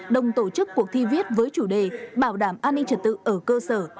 đồng tổ chức cuộc thi viết với chủ đề bảo đảm an ninh trật tự ở cơ sở